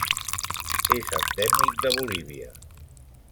És endèmic de Bolívia.